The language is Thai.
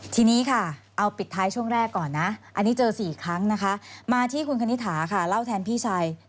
ทีนี้ค่ะเอาปิดท้ายช่วงแรกก่อนนะอันนี้เจอ๔ครั้งนะคะมาที่คุณคณิตถาค่ะเล่าแทนพี่ชาย